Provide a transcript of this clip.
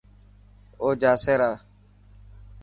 اوجاسي را.